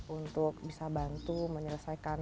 untuk bisa bantu menyelesaikan